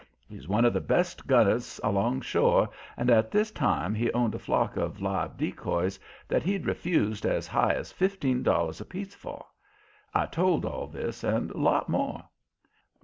He's one of the best gunners alongshore and at this time he owned a flock of live decoys that he'd refused as high as fifteen dollars apiece for. I told all this and a lot more.